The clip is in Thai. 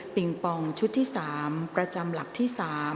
งปองชุดที่๓ประจำหลักที่๓